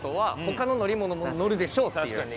他の乗り物も乗るでしょうっていう。